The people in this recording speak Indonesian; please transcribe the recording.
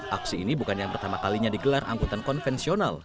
aksi ini bukan yang pertama kalinya digelar angkutan konvensional